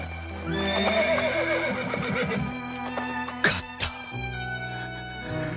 勝った。